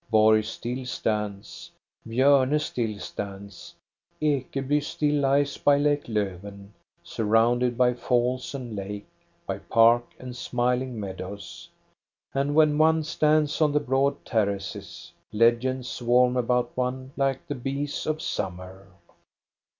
Borg still stands; Bjorne still stands; Ekeby still lies by lake Lofven, surrounded by falls and lake, by park and smiling meadows; and when one stands on the broad terraces, legends swarm about one like the bees of summer.